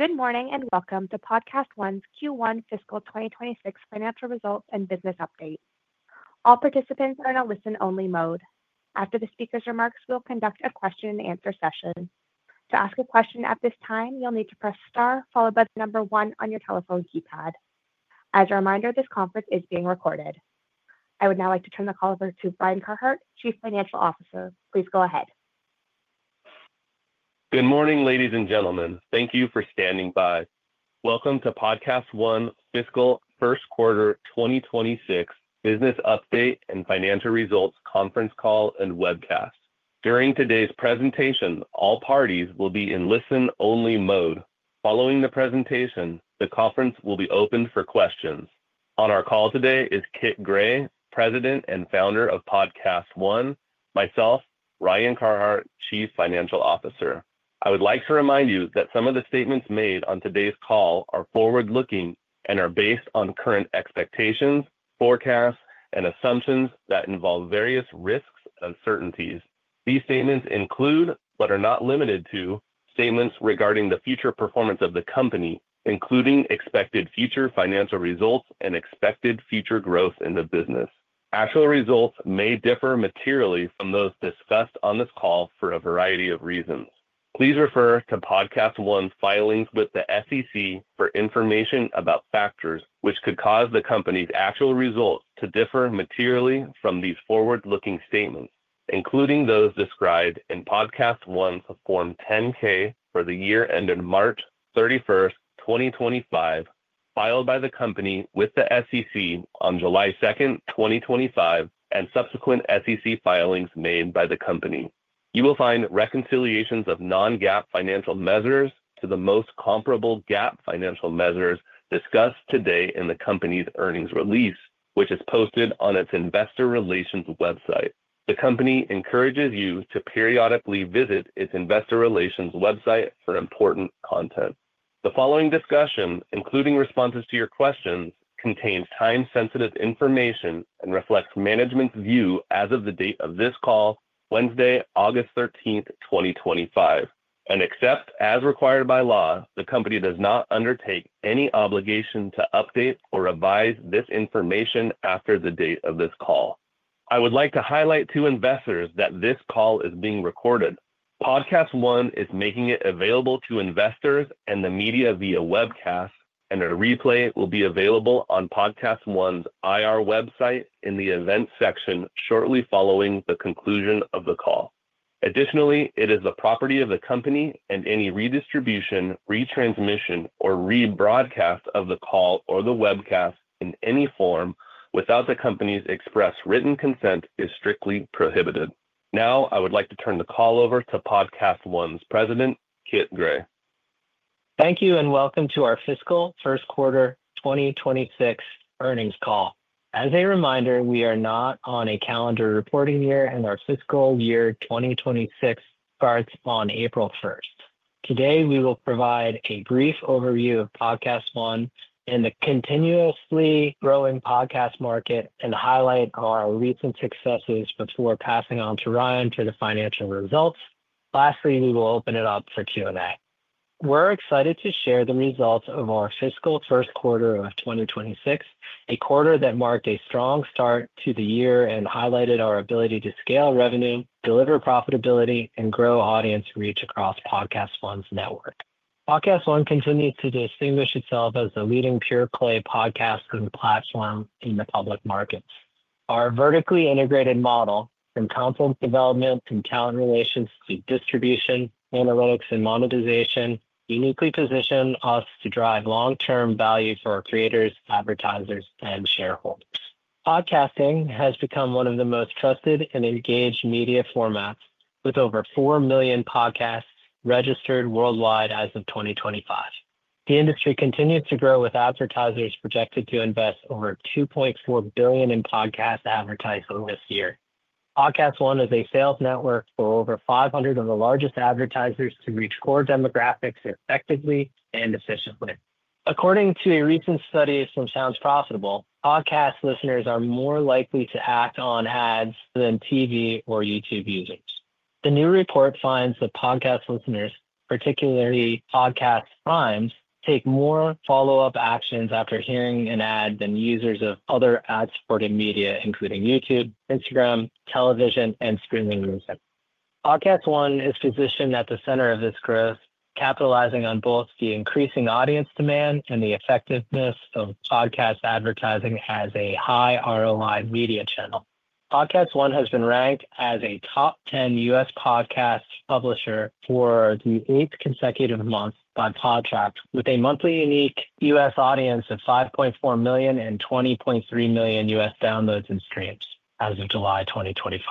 Good morning and welcome to PodcastOne's Q1 Fiscal 2026 Financial Results and Business Update. All participants are in a listen-only mode. After the speaker's remarks, we'll conduct a question-and-answer session. To ask a question at this time, you'll need to press star followed by the number one on your telephone keypad. As a reminder, this conference is being recorded. I would now like to turn the call over to Ryan Carhart, Chief Financial Officer. Please go ahead. Good morning, ladies and gentlemen. Thank you for standing by. Welcome to PodcastOne Fiscal Q1 2026 Business Update and Financial Results Conference Call and Webcast. During today's presentation, all parties will be in listen-only mode. Following the presentation, the conference will be open for questions. On our call today is Kit Gray, President and Founder of PodcastOne, and myself, Ryan Carhart, Chief Financial Officer. I would like to remind you that some of the statements made on today's call are forward-looking and are based on current expectations, forecasts, and assumptions that involve various risks and uncertainties. These statements include, but are not limited to, statements regarding the future performance of the company, including expected future financial results and expected future growth in the business. Actual results may differ materially from those discussed on this call for a variety of reasons. Please refer to PodcastOne's filings with the SEC for information about factors which could cause the company's actual results to differ materially from these forward-looking statements, including those described in PodcastOne's Form 10-K for the year ended March 31st, 2025, filed by the company with the SEC on July 2nd, 2025, and subsequent SEC filings made by the company. You will find reconciliations of non-GAAP financial measures to the most comparable GAAP financial measures discussed today in the company's earnings release, which is posted on its Investor Relations website. The company encourages you to periodically visit its Investor Relations website for important content. The following discussion, including responses to your questions, contains time-sensitive information and reflects management's view as of the date of this call, Wednesday, August 13th, 2025. Except as required by law, the company does not undertake any obligation to update or revise this information after the date of this call. I would like to highlight to investors that this call is being recorded. PodcastOne is making it available to investors and the media via webcast, and a replay will be available on PodcastOne's IR website in the events section shortly following the conclusion of the call. Additionally, it is the property of the company, and any redistribution, retransmission, or rebroadcast of the call or the webcast in any form without the company's express written consent is strictly prohibited. Now, I would like to turn the call over to PodcastOne's President, Kit Gray. Thank you and welcome to our Fiscal Q1 2026 Earnings Call. As a reminder, we are not on a calendar reporting year, and our fiscal year 2026 starts on April 1st. Today, we will provide a brief overview of PodcastOne and the continuously growing podcast market and highlight our recent successes before passing on to Ryan for the financial results. Lastly, we will open it up for Q&A. We're excited to share the results of our fiscal Q1 of 2026, a quarter that marked a strong start to the year and highlighted our ability to scale revenue, deliver profitability, and grow audience reach across PodcastOne's network. PodcastOne continues to distinguish itself as the leading pure-play podcasting platform in the public markets. Our vertically integrated model, from content development and talent relations to distribution, analytics, and monetization, uniquely positions us to drive long-term value for our creators, advertisers, and shareholders. Podcasting has become one of the most trusted and engaged media formats, with over 4 million podcasts registered worldwide as of 2025. The industry continues to grow, with advertisers projected to invest over $2.4 billion in podcast advertising this year. PodcastOne is a sales network for over 500 of the largest advertisers to reach core demographics effectively and efficiently. According to a recent study from Sounds Profitable, podcast listeners are more likely to act on ads than TV or YouTube users. The new report finds that podcast listeners, particularly podcast primes, take more follow-up actions after hearing an ad than users of other ad-supporting media, including YouTube, Instagram, television, and streaming music. PodcastOne is positioned at the center of this growth, capitalizing on both the increasing audience demand and the effectiveness of podcast advertising as a high ROI media channel. PodcastOne has been ranked as a top 10 U.S. podcast publisher for the eighth consecutive month by Podtracks, with a monthly unique U.S. audience of 5.4 million and 20.3 million U.S. downloads and streams as of July 2025.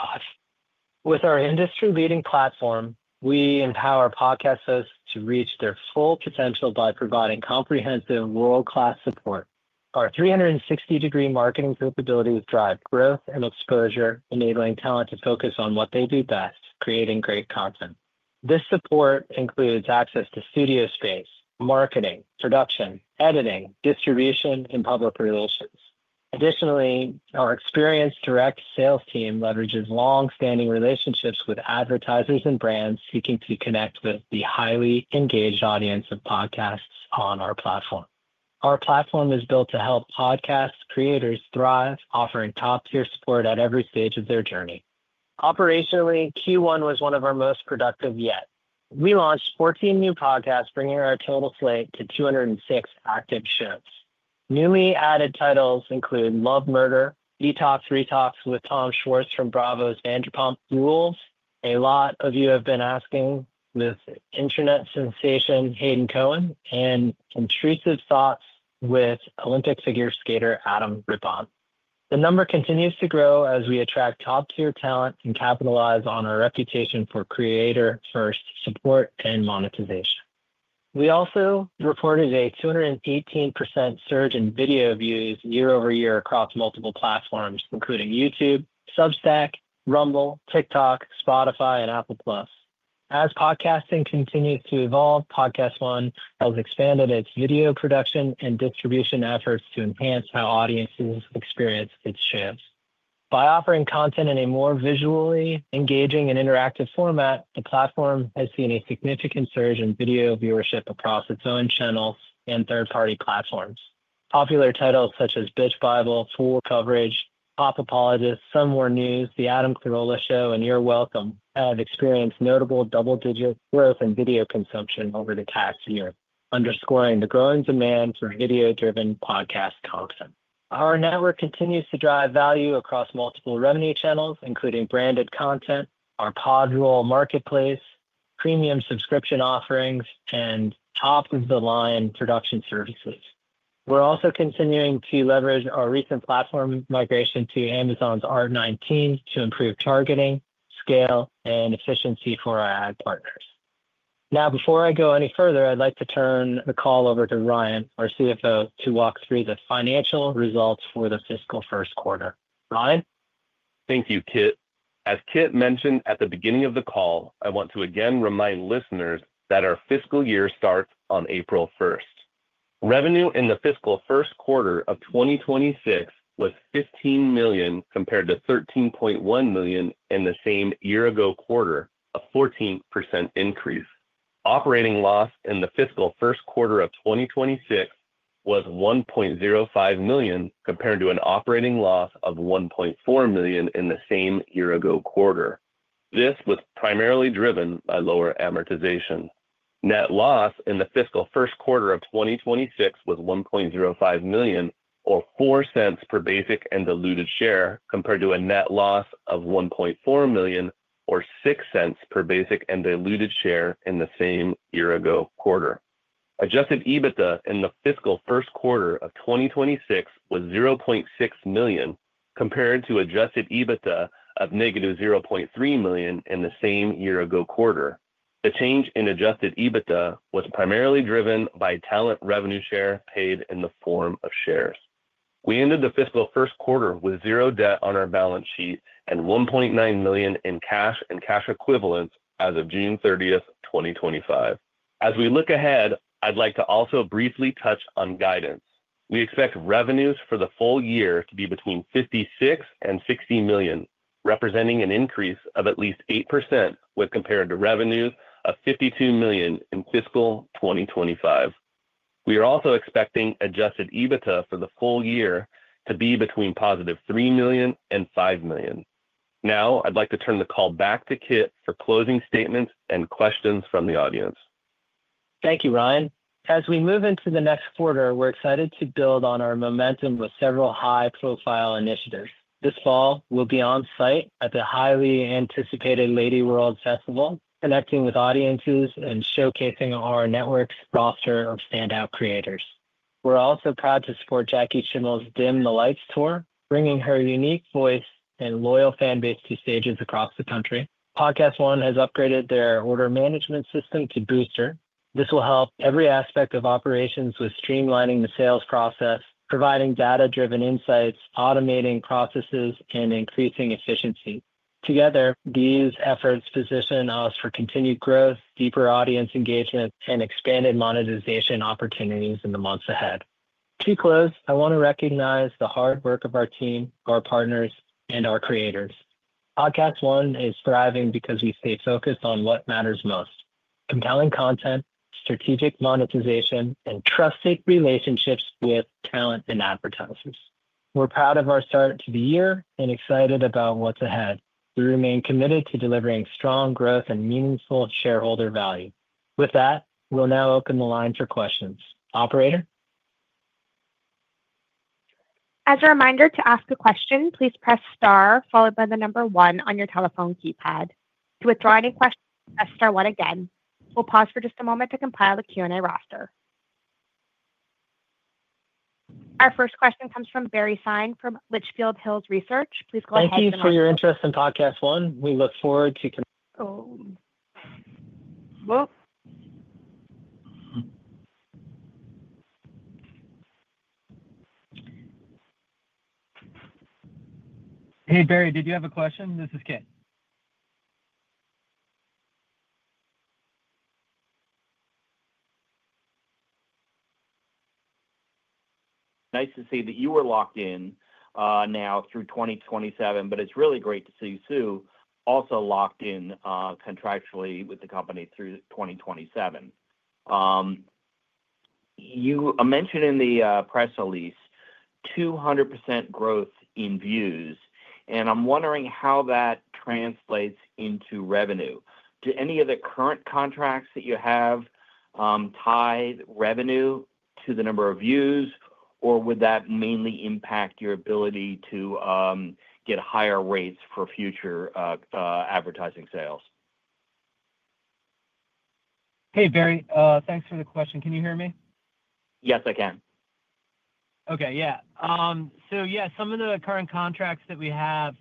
With our industry-leading platform, we empower podcast hosts to reach their full potential by providing comprehensive, world-class support. Our 360-degree marketing capabilities drive growth and exposure, enabling talent to focus on what they do best: creating great content. This support includes access to studio space, marketing, production, editing, distribution, and public relations. Additionally, our experienced direct sales team leverages long-standing relationships with advertisers and brands seeking to connect with the highly engaged audience of podcasts on our platform. Our platform is built to help podcast creators thrive, offering top-tier support at every stage of their journey. Operationally, Q1 was one of our most productive yet. We launched 14 new podcasts, bringing our total slate to 206 active shows. Newly added titles include "Love Letter: Detox/Retox" with Tom Schwartz from Bravo's Vanderpump Rules, "A Lot of You Have Been Asking" with internet sensation Hayden Cohen, and "Intrusive Thoughts" with Olympic figure skater Adam Rippon. The number continues to grow as we attract top-tier talent and capitalize on our reputation for creator-first support and monetization. We also reported a 218% surge in video views year-over-year across multiple platforms, including YouTube, Substack, Rumble, TikTok, Spotify, and Apple Plus. As podcasting continues to evolve, PodcastOne has expanded its video production and distribution efforts to enhance how audiences experience its shows. By offering content in a more visually engaging and interactive format, the platform has seen a significant surge in video viewership across its own channels and third-party platforms. Popular titles such as "Bitch Bible," "Fool Coverage," "Pop Apologists," "Some More News," "The Adam Carolla Show," and "You're Welcome" have experienced notable double-digit growth in video consumption over the past year, underscoring the growing demand for video-driven podcast content. Our network continues to drive value across multiple revenue channels, including branded content, our PodRule Marketplace, premium subscription offerings, and top-of-the-line production services. We're also continuing to leverage our recent platform migration to Amazon's R19 to improve targeting, scale, and efficiency for our ad partners. Now, before I go any further, I'd like to turn the call over to Ryan, our Chief Financial Officer, to walk through the financial results for the fiscal Q1. Ryan. Thank you, Kit. As Kit mentioned at the beginning of the call, I want to again remind listeners that our fiscal year starts on April 1st. Revenue in the fiscal Q1 of 2026 was $15 million compared to $13.1 million in the same year-ago quarter, a 14% increase. Operating loss in the fiscal Q1 of 2026 was $1.05 million compared to an operating loss of $1.4 million in the same year-ago quarter. This was primarily driven by lower amortization. Net loss in the fiscal Q1 of 2026 was $1.05 million, or $0.04 per basic and diluted share, compared to a net loss of $1.4 million, or $0.06 per basic and diluted share in the same year-ago quarter. Adjusted EBITDA in the fiscal Q1 of 2026 was $0.06 million compared to adjusted EBITDA of -$0.3 million in the same year-ago quarter. The change in adjusted EBITDA was primarily driven by talent revenue share paid in the form of shares. We ended the fiscal Q1 with zero debt on our balance sheet and $1.9 million in cash and cash equivalents as of June 30th, 2025. As we look ahead, I'd like to also briefly touch on guidance. We expect revenues for the full year to be between $56 million and $60 million, representing an increase of at least 8% when compared to revenues of $52 million in fiscal 2025. We are also expecting adjusted EBITDA for the full year to be between +$3 million and $5 million. Now, I'd like to turn the call back to Kit for closing statements and questions from the audience. Thank you, Ryan. As we move into the next quarter, we're excited to build on our momentum with several high-profile initiatives. This fall, we'll be on-site at the highly anticipated LADYWORLD Festival, connecting with audiences and showcasing our network's roster of standout creators. We're also proud to support Jackie Schimmel's "Dim the Lights" tour, bringing her unique voice and loyal fan base to stages across the country. PodcastOne has upgraded their order management system to Booster. This will help every aspect of operations, with streamlining the sales process, providing data-driven insights, automating processes, and increasing efficiency. Together, these efforts position us for continued growth, deeper audience engagement, and expanded monetization opportunities in the months ahead. To close, I want to recognize the hard work of our team, our partners, and our creators. PodcastOne is thriving because we stay focused on what matters most: compelling content, strategic monetization, and trusted relationships with talent and advertisers. We're proud of our start to the year and excited about what's ahead. We remain committed to delivering strong growth and meaningful shareholder value. With that, we'll now open the line for questions. Operator? As a reminder to ask a question, please press star followed by the number one on your telephone keypad. To withdraw any questions, press star one again. We'll pause for just a moment to compile the Q&A roster. Our first question comes from Barry Sine from Litchfield Hills Research. Please go ahead. Thank you for your interest in PodcastOne. We look forward to it. Hey, Barry, did you have a question? This is Kit. Nice to see that you were locked in, now through 2027, but it's really great to see Sue also locked in, contractually with the company through 2027. You mentioned in the press release 200% growth in views, and I'm wondering how that translates into revenue. Do any of the current contracts that you have tie revenue to the number of views, or would that mainly impact your ability to get higher rates for future advertising sales? Hey, Barry, thanks for the question. Can you hear me? Yes, I can. Okay. Yeah, some of the current contracts that we have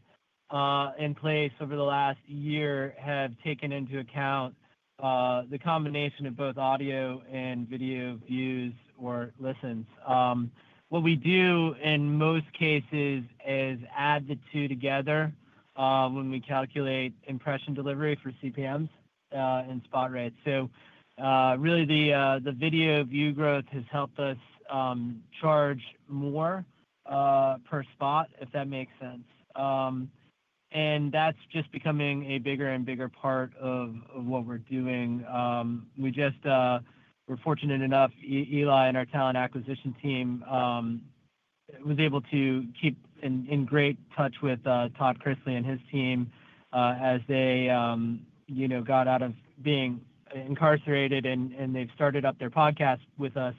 in place over the last year have taken into account the combination of both audio and video views or listens. What we do in most cases is add the two together when we calculate impression delivery for CPMs and spot rates. Really, the video view growth has helped us charge more per spot, if that makes sense. That's just becoming a bigger and bigger part of what we're doing. We were fortunate enough, Eli and our talent acquisition team was able to keep in great touch with Todd Chrisley and his team as they got out of being incarcerated and they've started up their podcast with us.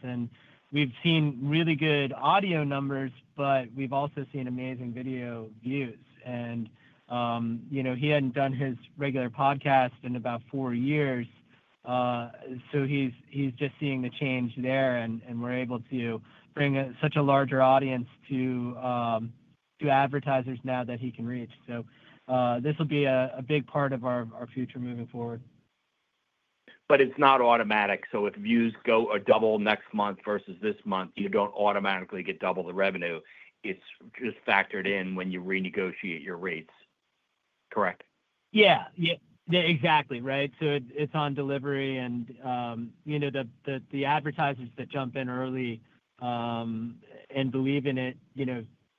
We've seen really good audio numbers, but we've also seen amazing video views. He hadn't done his regular podcast in about four years, so he's just seeing the change there. We're able to bring such a larger audience to advertisers now that he can reach. This will be a big part of our future moving forward. It is not automatic. If views go double next month versus this month, you do not automatically get double the revenue. It is just factored in when you renegotiate your rates, correct? Yeah, exactly. Right. It's on delivery. The advertisers that jump in early and believe in it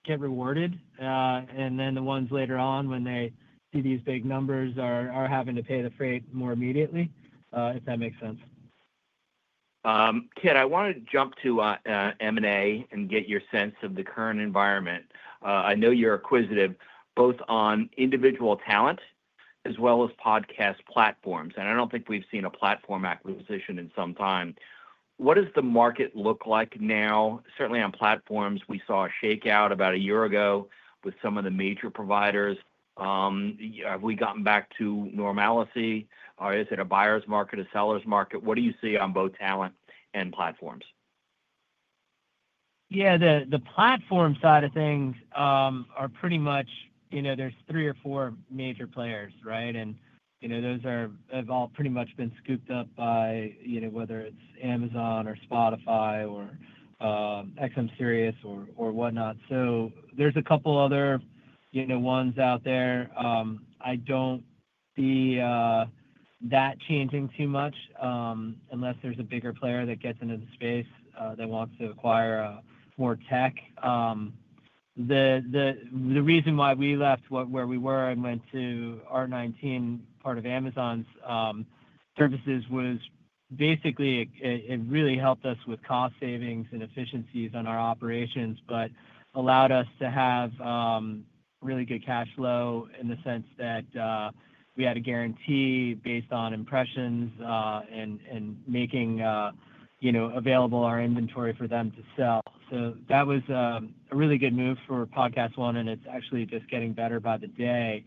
get rewarded, and then the ones later on, when they see these big numbers, are having to pay the freight more immediately, if that makes sense. Kit, I wanted to jump to M&A and get your sense of the current environment. I know you're acquisitive both on individual talent as well as podcast platforms, and I don't think we've seen a platform acquisition in some time. What does the market look like now? Certainly on platforms, we saw a shakeout about a year ago with some of the major providers. Have we gotten back to normality? Or is it a buyer's market, a seller's market? What do you see on both talent and platforms? Yeah, the platform side of things are pretty much, you know, there's three or four major players, right? Those have all pretty much been scooped up by, you know, whether it's Amazon or Spotify or Sirius XM or whatnot. There's a couple other ones out there. I don't see that changing too much, unless there's a bigger player that gets into the space that wants to acquire more tech. The reason why we left where we were and went to the R19 platform, part of Amazon's services, was basically it really helped us with cost savings and efficiencies on our operations, but allowed us to have really good cash flow in the sense that we had a guarantee based on impressions and making available our inventory for them to sell. That was a really good move for PodcastOne, and it's actually just getting better by the day.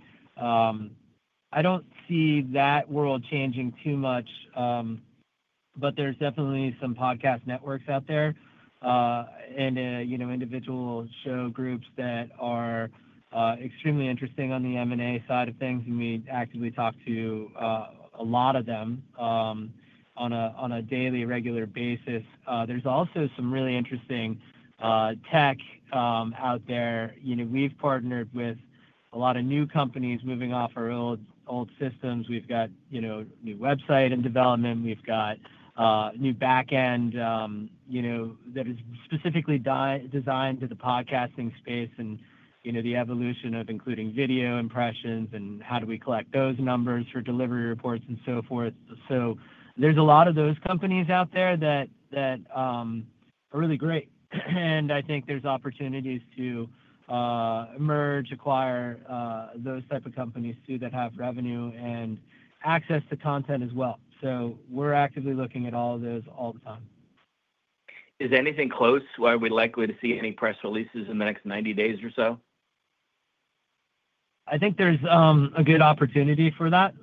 I don't see that world changing too much, but there's definitely some podcast networks out there and individual show groups that are extremely interesting on the M&A side of things. We actively talk to a lot of them on a daily regular basis. There's also some really interesting tech out there. We've partnered with a lot of new companies moving off our old systems. We've got a new website in development. We've got new backend that is specifically designed to the podcasting space and the evolution of including video impressions and how do we collect those numbers for delivery reports and so forth. There's a lot of those companies out there that are really great. I think there's opportunities to merge, acquire those types of companies too that have revenue and access to content as well. We're actively looking at all of those all the time. Is anything close to where we're likely to see any press releases in the next 90 days or so? I think there's a good opportunity for that.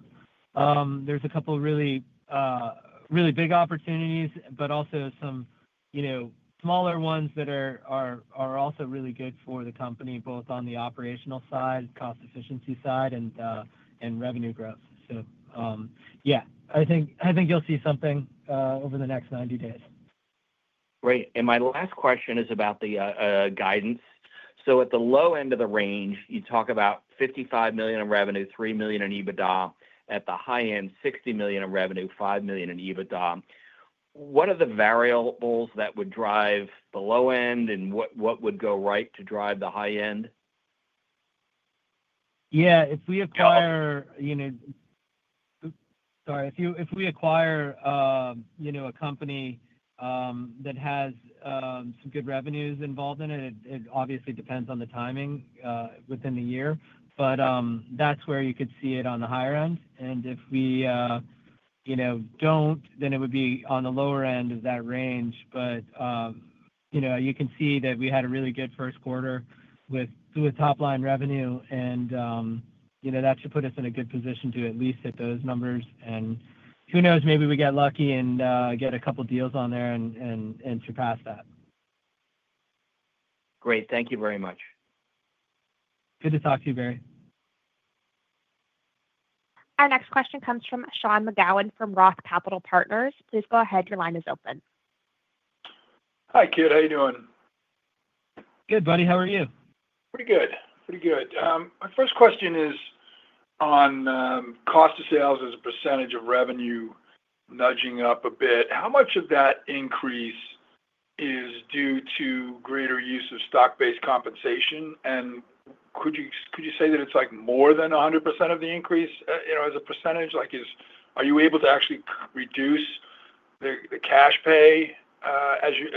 There are a couple really, really big opportunities, but also some smaller ones that are also really good for the company, both on the operational side, cost efficiency side, and revenue growth. I think you'll see something over the next 90 days. Great. My last question is about the guidance. At the low end of the range, you talk about $55 million in revenue, $3 million in EBITDA. At the high end, $60 million in revenue, $5 million in EBITDA. What are the variables that would drive the low end and what would go right to drive the high end? If we acquire a company that has some good revenues involved in it, it obviously depends on the timing within the year. That's where you could see it on the higher end. If we don't, then it would be on the lower end of that range. You can see that we had a really good first quarter with top-line revenue, and that should put us in a good position to at least hit those numbers. Who knows, maybe we get lucky and get a couple deals on there and surpass that. Great. Thank you very much. Good to talk to you, Barry. Our next question comes from Sean McGowan from ROTH Capital Partners. Please go ahead. Your line is open. Hi, Kit. How are you doing? Good, buddy. How are you? Pretty good. Pretty good. My first question is on cost of sales as a percentage of revenue nudging up a bit. How much of that increase is due to greater use of stock-based compensation? Could you say that it's like more than 100% of the increase, you know, as a percentage? Are you able to actually reduce the cash pay as you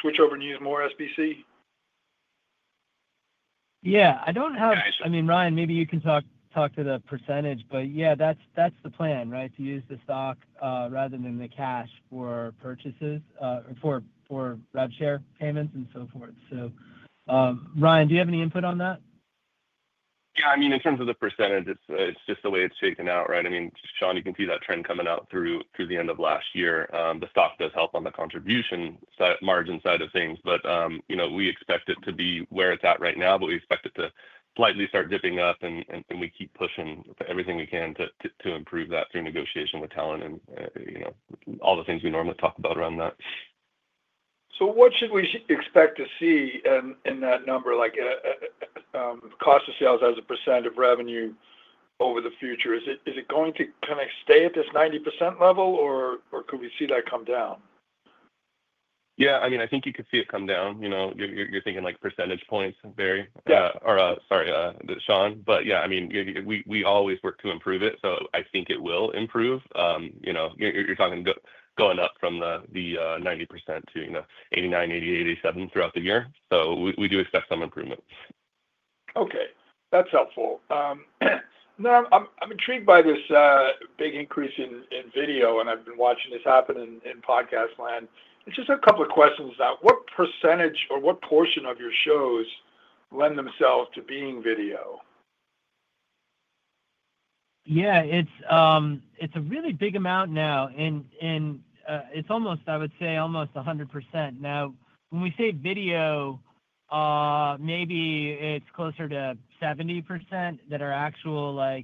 switch over and use more SBC? Yeah, I don't have, I mean, Ryan, maybe you can talk to the percentage, but yeah, that's the plan, right, to use the stock rather than the cash for purchases or for rev share payments and so forth. Ryan, do you have any input on that? Yeah, I mean, in terms of the percentage, it's just the way it's shaken out, right? I mean, Sean, you can see that trend coming out through the end of last year. The stock does help on the contribution margin side of things, but we expect it to be where it's at right now. We expect it to slightly start dipping up and we keep pushing everything we can to improve that through negotiation with talent and all the things we normally talk about around that. What should we expect to see in that number, like cost of sales as 1% of revenue over the future? Is it going to kind of stay at this 90% level or could we see that come down? Yeah, I mean, I think you could see it come down. You're thinking like percentage points, Barry, or, sorry, Sean. Yeah, I mean, we always work to improve it. I think it will improve. You're talking going up from the 90%-89%, 88%, 87% throughout the year. We do expect some improvements. Okay. That's helpful. Now I'm intrigued by this big increase in video and I've been watching this happen in PodcastOne. Just a couple of questions about what percentage or what portion of your shows lend themselves to being video? Yeah, it's a really big amount now. It's almost, I would say, almost 100%. Now, when we say video, maybe it's closer to 70% that are actual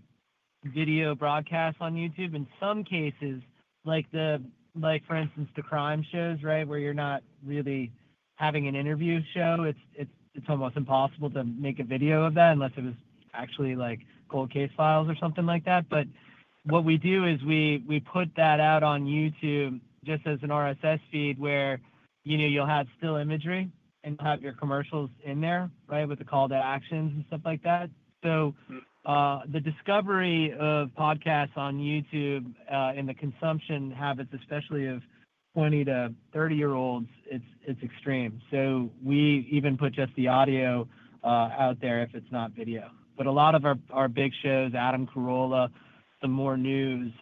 video broadcasts on YouTube. In some cases, like for instance, the crime shows, where you're not really having an interview show, it's almost impossible to make a video of that unless it was actually like cold case files or something like that. What we do is we put that out on YouTube just as an RSS feed where you'll have still imagery and you'll have your commercials in there, with the call to actions and stuff like that. The discovery of podcasts on YouTube and the consumption habits, especially of 20-30-year-olds, it's extreme. We even put just the audio out there if it's not video. A lot of our big shows, Adam Carolla, The More News,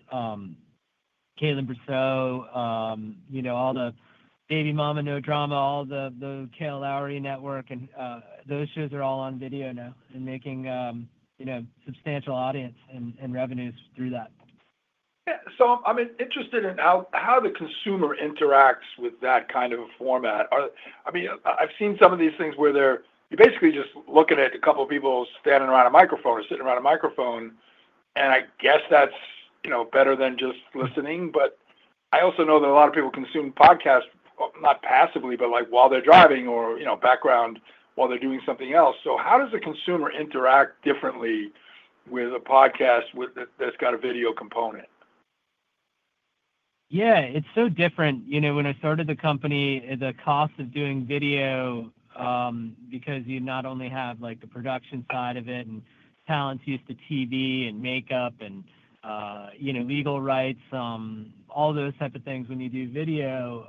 Kaitlyn Bristowe, all the Baby Mama, No Drama, all the Kail Lowry Network, those shows are all on video now and making substantial audience and revenues through that. I'm interested in how the consumer interacts with that kind of a format. I mean, I've seen some of these things where you're basically just looking at a couple of people standing around a microphone or sitting around a microphone. I guess that's, you know, better than just listening. I also know that a lot of people consume podcasts not passively, but like while they're driving or, you know, background while they're doing something else. How does the consumer interact differently with a podcast that's got a video component? Yeah, it's so different. You know, when I started the company, the cost of doing video, because you not only have the production side of it and talent's used to TV and makeup and, you know, legal rights, all those types of things when you do video,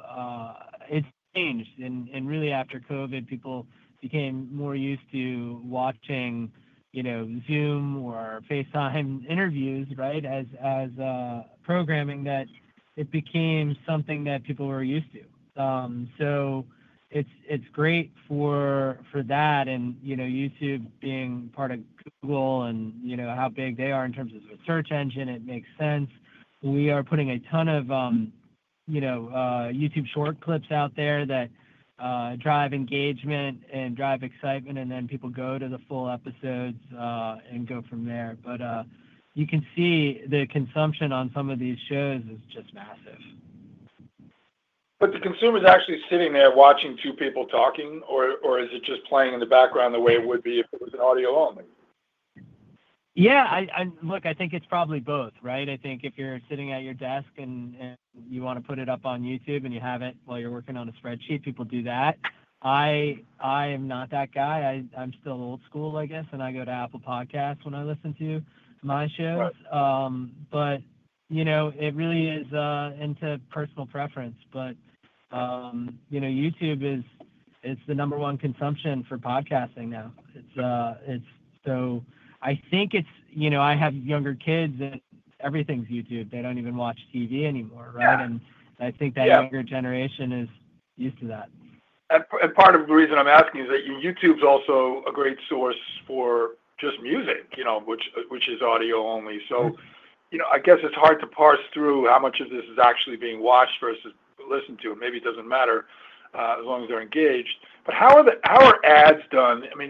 it's changed. Really, after COVID, people became more used to watching, you know, Zoom or FaceTime interviews, right, as programming that it became something that people were used to. It's great for that. YouTube being part of Google and, you know, how big they are in terms of a search engine, it makes sense. We are putting a ton of YouTube short clips out there that drive engagement and drive excitement, and then people go to the full episodes and go from there. You can see the consumption on some of these shows is just massive. The consumer is actually sitting there watching two people talking, or is it just playing in the background the way it would be if it was an audio only? Yeah, I think it's probably both, right? I think if you're sitting at your desk and you want to put it up on YouTube and you have it while you're working on a spreadsheet, people do that. I am not that guy. I'm still old school, I guess, and I go to Apple Podcasts when I listen to my shows. It really is personal preference. YouTube is the number one consumption for podcasting now. I think it's, you know, I have younger kids and everything's YouTube. They don't even watch TV anymore, right? I think that younger generation is used to that. Part of the reason I'm asking is that YouTube's also a great source for just music, you know, which is audio only. I guess it's hard to parse through how much of this is actually being watched versus listened to. Maybe it doesn't matter, as long as they're engaged. How are ads done? I mean,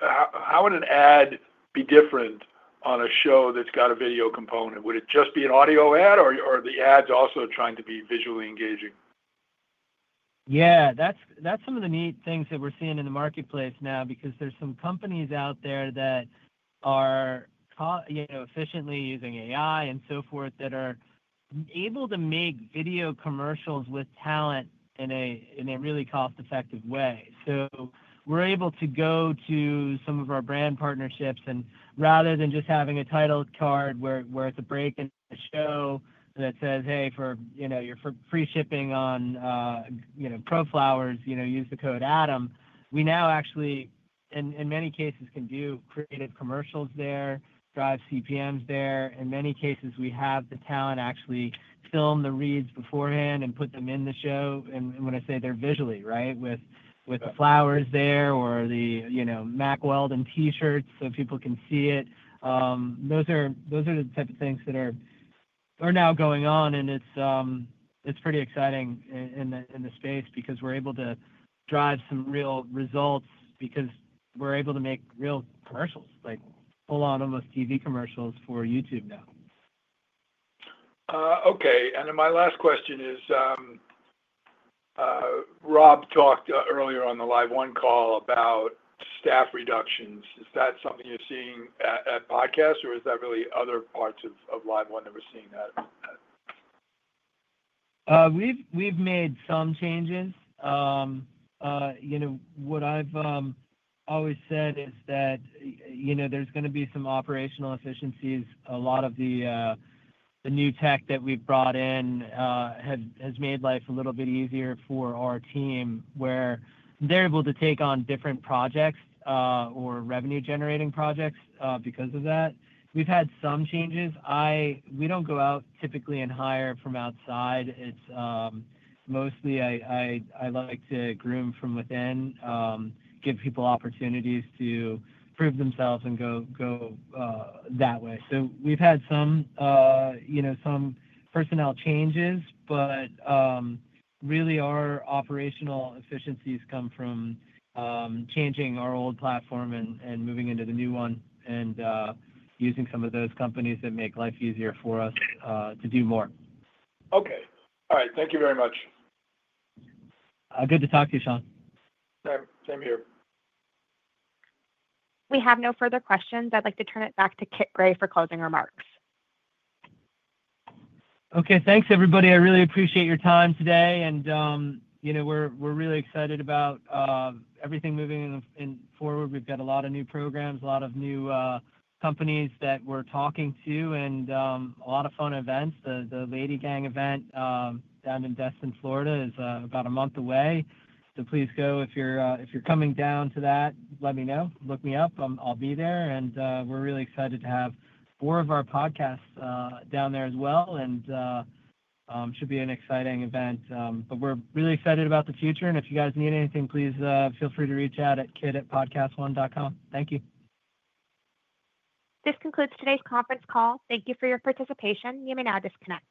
how would an ad be different on a show that's got a video component? Would it just be an audio ad, or are the ads also trying to be visually engaging? Yeah, that's some of the neat things that we're seeing in the marketplace now because there's some companies out there that are, you know, efficiently using AI and so forth that are able to make video commercials with talent in a really cost-effective way. We're able to go to some of our brand partnerships and rather than just having a title card where it's a break in the show that says, "Hey, for, you know, for free shipping on, you know, Pro Flowers, you know, use the code ATOM." We now actually, in many cases, can do creative commercials there, drive CPMs there. In many cases, we have the talent actually film the reads beforehand and put them in the show. When I say they're visually, right, with the flowers there or the, you know, Mack Weldon T-shirts so people can see it. Those are the type of things that are now going on. It's pretty exciting in the space because we're able to drive some real results because we're able to make real commercials, like full-on almost TV commercials for YouTube now. Okay. My last question is, Rob talked earlier on the LiveOne call about staff reductions. Is that something you're seeing at PodcastOne, or is that really other parts of LiveOne that we're seeing? We've made some changes. What I've always said is that there's going to be some operational efficiencies. A lot of the new tech that we've brought in has made life a little bit easier for our team, where they're able to take on different projects or revenue-generating projects because of that. We've had some changes. We don't go out typically and hire from outside. Mostly, I like to groom from within, give people opportunities to prove themselves, and go that way. We've had some personnel changes, but really our operational efficiencies come from changing our old platform and moving into the new one and using some of those companies that make life easier for us to do more. Okay, all right. Thank you very much. Good to talk to you, Sean. Same here. We have no further questions. I'd like to turn it back to Kit Gray for closing remarks. Okay. Thanks, everybody. I really appreciate your time today. We're really excited about everything moving forward. We've got a lot of new programs, a lot of new companies that we're talking to, and a lot of fun events. The LADYWORLD Festival event down in Destin, Florida, is about a month away. Please go. If you're coming down to that, let me know. Look me up. I'll be there. We're really excited to have four of our podcasts down there as well. It should be an exciting event. We're really excited about the future. If you guys need anything, please feel free to reach out at kit@podcastone.com. Thank you. This concludes today's conference call. Thank you for your participation. You may now disconnect.